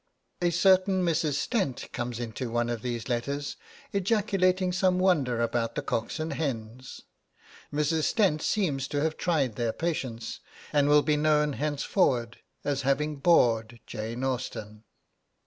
A certain Mrs. Stent comes into one of these letters 'ejaculating some wonder about the cocks and hens.' Mrs. Stent seems to have tried their patience, and will be known henceforward as having bored Jane Austen.